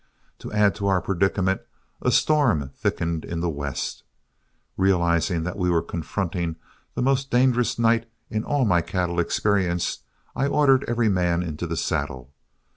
To add to our predicament, a storm thickened in the west. Realizing that we were confronting the most dangerous night in all my cattle experience, I ordered every man into the saddle.